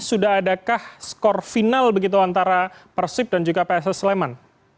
sudah adakah skor final begitu antara persib dan juga pss sleman